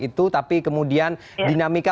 itu tapi kemudian dinamika